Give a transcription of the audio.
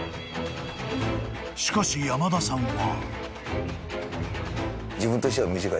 ［しかし山田さんは］